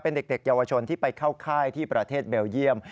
เป็นเด็กเยาวชนที่ไปเข้าค่ายที่ประเทศเบลเยี่ยม